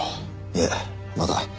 いえまだ。